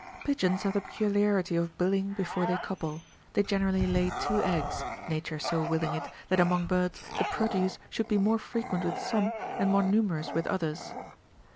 Pigeons have the peculiarity of billing before they couple ; they generally lay two eggs, ^^ature so willing it, that among birds the produce should be more frequent with some, and more numerous with others.